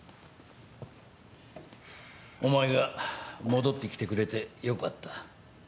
お前が戻ってきてくれてよかった。